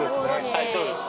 はいそうです。